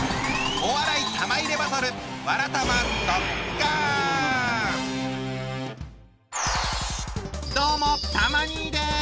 お笑い玉入れバトルどうもたま兄です。